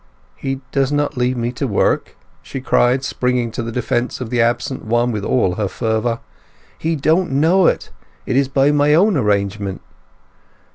"He does not leave me to work!" she cried, springing to the defence of the absent one with all her fervour. "He don't know it! It is by my own arrangement."